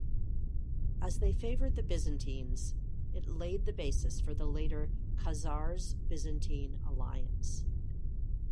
As they favored the Byzantines, it laid the basis for the later Khazars-Byzantine alliance.